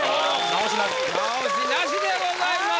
直しなしでございます。